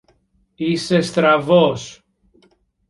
Είσαι στραβός!